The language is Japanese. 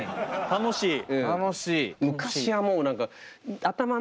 楽しい！